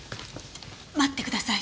待ってください。